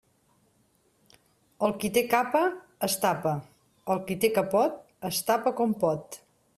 El qui té capa es tapa; el qui té capot es tapa com pot.